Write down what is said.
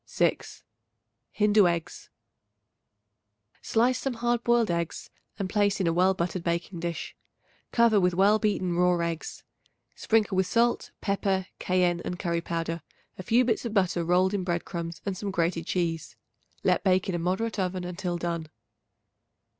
6. Hindu Eggs. Slice some hard boiled eggs and place in a well buttered baking dish. Cover with well beaten raw eggs; sprinkle with salt, pepper, cayenne and curry powder, a few bits of butter rolled in bread crumbs and some grated cheese. Let bake in a moderate oven until done.